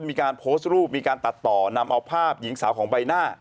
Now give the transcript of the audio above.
มีการโพสต์รูปมีการตัดต่อนำเอาภาพหญิงสาวของใบหน้า